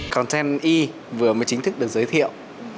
content e vừa mới chính thức được giới thiệu